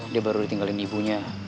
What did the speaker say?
dia baru ditinggalin ibunya